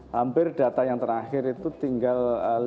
hampir data yang terakhir itu tinggal